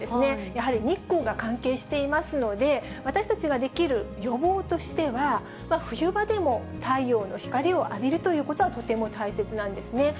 やはり日光が関係していますので、私たちができる予防としては、冬場でも太陽の光を浴びるということはとても大切なんですね。